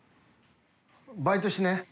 バイトしねぇ？